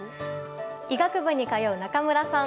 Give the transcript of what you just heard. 医学部に通う中村さん。